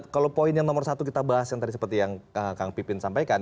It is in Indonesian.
kalau poin yang nomor satu kita bahas yang tadi seperti yang kang pipin sampaikan